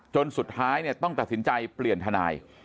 จนสุดท้ายต้องตัดสินใจเปลี่ยนทนาย